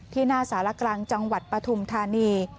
หน้าสารกลางจังหวัดปฐุมธานี